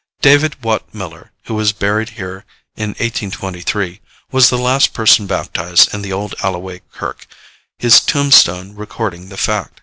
David Watt Miller, who was buried here in 1823, was the last person baptized in the old Alloway kirk his tombstone recording the fact.